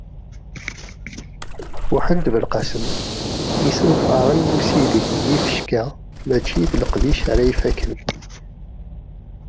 Muḥend Belqasem: Isenfaṛen n usideg n yifecka mačči d leqdic ara ifakken.